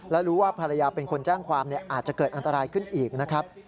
และรู้ว่าภรรยาเป็นคนแจ้งความอาจจะเกิดอันตรายขึ้นอีกนะครับ